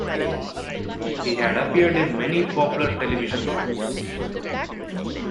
He had appeared in many popular television shows.